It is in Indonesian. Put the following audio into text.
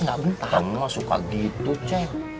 kamu mah suka gitu ceng